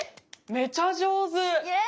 めちゃ上手。